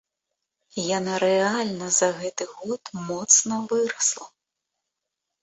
Яна рэальна за гэты год моцна вырасла.